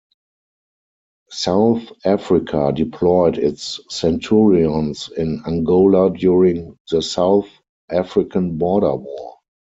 South Africa deployed its Centurions in Angola during the South African Border War.